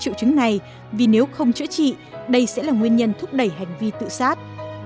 chịu chứng này vì nếu không chữa trị đây sẽ là nguyên nhân thúc đẩy hành vi tự xát